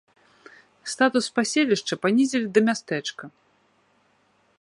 Статус паселішча панізілі да мястэчка.